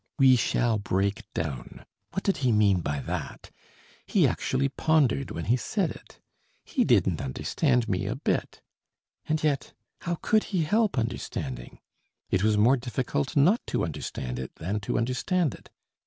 'We shall break down.' What did he mean by that? He actually pondered when he said it. He didn't understand me a bit. And yet how could he help understanding? It was more difficult not to understand it than to understand it.